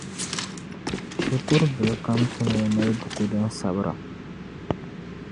Shikur' bila kam tu ni o mali buku din Sabira.